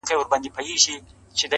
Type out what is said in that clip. دونه لا نه یم لیونی هوښیاروې مي ولې٫